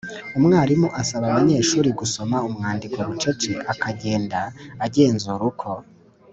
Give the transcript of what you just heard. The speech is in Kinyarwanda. Umwarimu asaba abanyeshuri gusoma umwandiko bucece akagenda agenzura uko